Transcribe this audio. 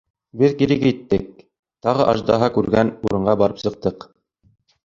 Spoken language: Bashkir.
Беҙ кире киттек, тағы аждаһа күргән урынға барып сыҡтыҡ.